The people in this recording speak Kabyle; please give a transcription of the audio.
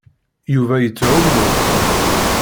Yuba yettɛummu.